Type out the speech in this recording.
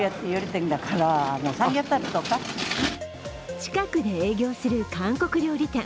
近くで営業する韓国料理店。